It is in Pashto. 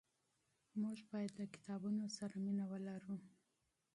موږ باید له کتابونو سره مینه ولرو.